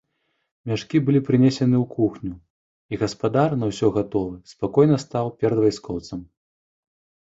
Мяшкі былі прынесены ў кухню, і гаспадар, на ўсё гатовы, спакойна стаў перад вайскоўцам.